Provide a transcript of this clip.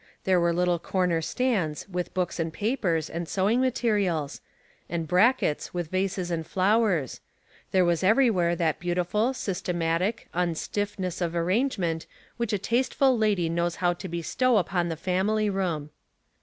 There were little corner stands, with books and papers, and sewing materials ; and brackets, with vases and flowers; there was everywhere that beautiful, systematic, unstiif 251 252 Household Puzzles. ness of arrangement which a tasteful lady knows how to bestow upon the family room.